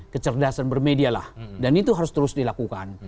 kecerdasan bermedialah dan itu harus terus dilakukan